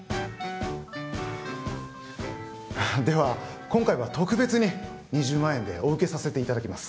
あっでは今回は特別に２０万円でお受けさせていただきます。